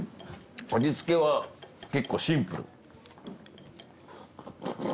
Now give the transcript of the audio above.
味付けは結構シンプル。